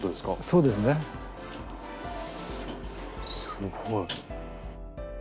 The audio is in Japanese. すごい。